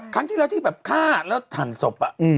ครั้งที่แล้วที่แบบฆ่าแล้วถั่นศพ